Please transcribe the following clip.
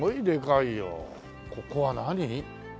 ここは何？